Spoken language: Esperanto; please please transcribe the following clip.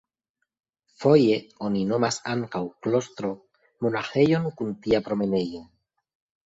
Foje oni nomas ankaŭ "klostro" monaĥejon kun tia promenejo.